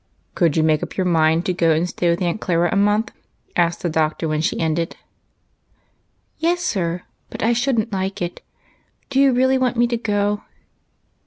" Could you make up your mind to go and stay with Aunt Clara a month ?" asked the Doctor, when she ended. " Yes, sir ; but I should n't like it. Do you really want me to go